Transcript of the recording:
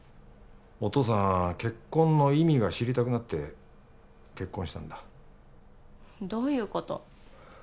お父さん結婚の意味が知りたくなって結婚したんだどういうこと？